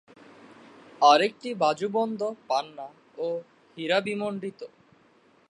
আরেকটি বাজুবন্ধ পান্না ও হীরা বিমন্ডিত।